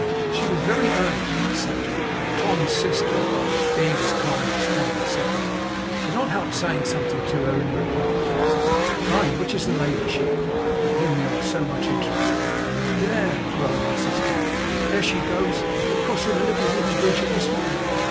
She was so very earnest on the subject, that Tom's sister (being as kind as Tom himself) could not help saying something to her in reply. 'Pray, which is the lady,' she inquired, 'in whom you are so much interested?' 'There!' groaned Mrs Gamp. 'There she goes! A crossin' the little wooden bridge at this minute.